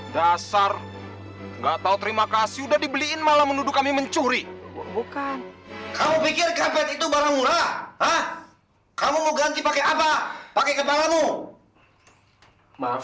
dasar enggak tahu terima kasih udah dibeliin malam menuduk kami mencuri bukan kamu pikir karpet itu barang murah